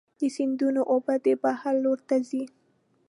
د سیندونو اوبه د بحر لور ته ځي.